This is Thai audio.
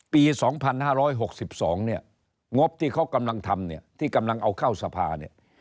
ปี๒๕๖๒เนี่ยงบที่เขากำลังทำเนี่ยที่กำลังเอาเข้าสภาเนี่ย